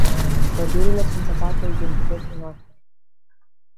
Pădurile sunt o parte a identității noastre.